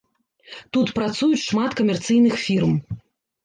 Тут працуюць шмат камерцыйных фірм.